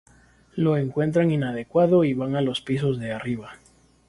Lo encuentran "inadecuado" y van a los pisos de arriba.